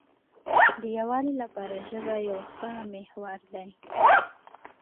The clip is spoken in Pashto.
د یووالي لپاره ژبه یو ښه محور دی.